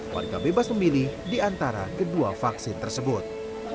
warga bebas memilih di antara kedua vaksin tersebut